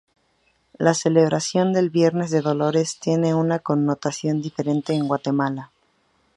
La celebración del Viernes de Dolores tiene una connotación diferente en Guatemala.